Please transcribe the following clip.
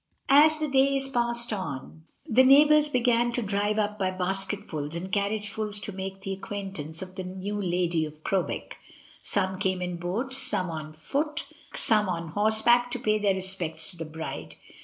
As the days passed on the neighbours began to drive up by basketfuls and carriagefuls to make the acquaintance of the new lady of Crowbeck. Some came in boats, some on foot, some on horseback to pay their respects to the bride.